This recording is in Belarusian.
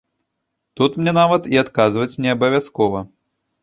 Тут мне нават і адказваць не абавязкова.